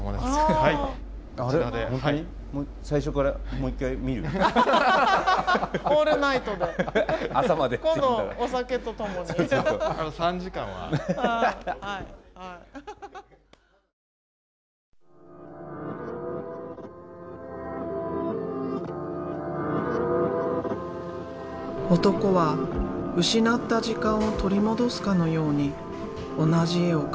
男は失った時間を取り戻すかのように同じ絵を描き続けている。